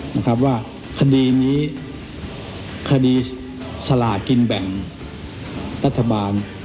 นะครับว่าคดีนี้คดีสลากินแบ่งรัฐบาล